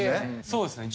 そうですね